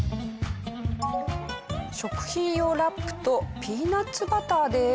食品用ラップとピーナッツバターです。